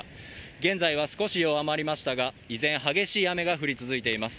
現在は少し弱まりましたが、依然激しい雨が降り続いています。